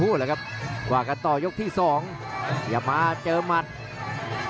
อื้อหือจังหวะขวางแล้วพยายามจะเล่นงานด้วยซอกแต่วงใน